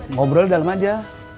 ngobrol di dalam aja